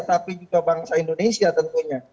tapi juga bangsa indonesia tentunya